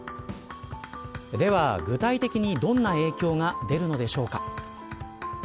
では、具体的にどんな影響が出るのでしょうか。